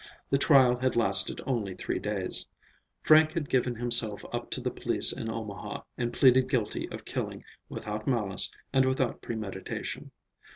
The trial had lasted only three days. Frank had given himself up to the police in Omaha and pleaded guilty of killing without malice and without premeditation.